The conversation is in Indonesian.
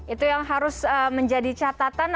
itu yang harus menjadi catatan